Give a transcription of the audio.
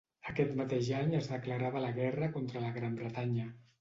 Aquest mateix any es declarava la guerra contra la Gran Bretanya.